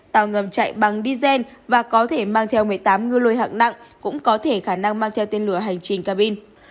tàu ngầm chạy bằng diesel và có thể mang theo một mươi tám ngư lôi hạng nặng cũng có thể khả năng mang theo tên lửa hành trình cabin